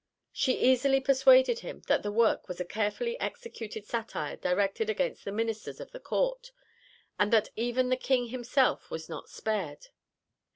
She easily persuaded him that the work was a carefully executed satire directed against the ministers of the Court, and that even the King himself was not spared.